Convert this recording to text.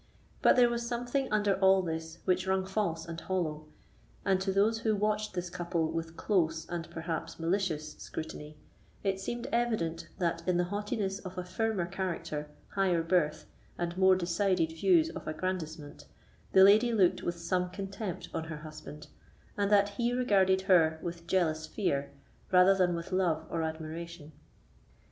But there was something under all this which rung false and hollow; and to those who watched this couple with close, and perhaps malicious, scrutiny it seemed evident that, in the haughtiness of a firmer character, higher birth, and more decided views of aggrandisement, the lady looked with some contempt on her husband, and that he regarded her with jealous fear, rather than with love or admiration.